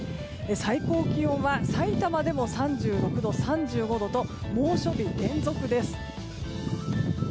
最高気温はさいたまでも３６度、３５度と猛暑日連続です。